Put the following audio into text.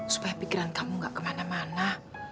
supaya pikiran kamu gak kemana mana